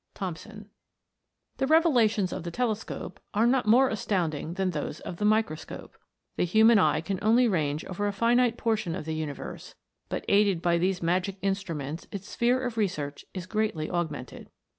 THOMSON. THE revelations of the telescope are not more astounding than those of the microscope. The human eye can only range over a finite portion of the universe, but aided by these magic instruments its sphere of research is greatly augmented.